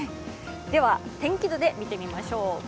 では、天気図で見てみましょう。